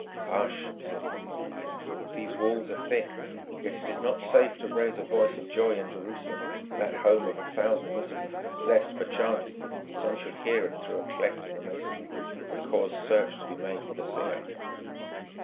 "Hush!" said Ithiel. "These walls are thick, yet it is not safe to raise a voice of joy in Jerusalem, that home of a thousand miseries, lest, perchance, some should hear it through a cleft in the masonry, and cause search to be made for the singer.